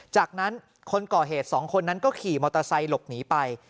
จากนั้นคนก่อเหตุสองคนนั้นก็ขี่มอเตอร์ไซค์หลบหนีไป